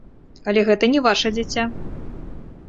Але гэта не ваша дзіця.